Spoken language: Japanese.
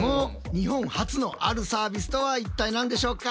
日本初のあるサービスとは一体何でしょうか？